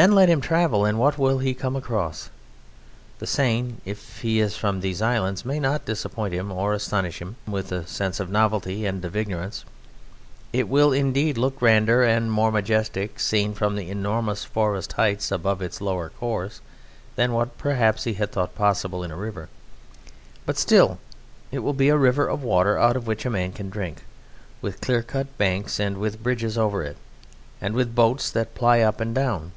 Then let him travel, and what will he come across? The Seine, if he is from these islands, may not disappoint him or astonish him with a sense of novelty and of ignorance. It will indeed look grander and more majestic, seen from the enormous forest heights above its lower course, than what, perhaps, he had thought possible in a river, but still it will be a river of water out of which a man can drink, with clear cut banks and with bridges over it, and with boats that ply up and down.